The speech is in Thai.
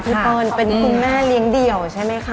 ปอนเป็นคุณแม่เลี้ยงเดี่ยวใช่ไหมคะ